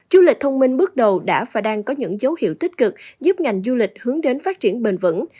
du lịch thông minh bước đầu đã và đang có những dấu hiệu tích cực giúp ngành du lịch hướng đến phát triển bền vững